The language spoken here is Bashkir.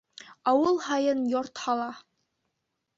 Ауыл һайын йорт һала.